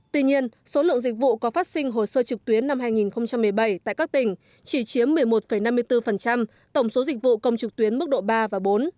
tuy nhiên số lượng dịch vụ có phát sinh hồ sơ trực tuyến năm hai nghìn một mươi bảy tại các tỉnh chỉ chiếm một mươi một năm mươi bốn tổng số dịch vụ công trực tuyến mức độ ba và bốn